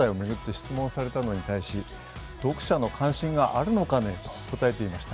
質問されたのに対し、読者の関心があるのかねと答えていました。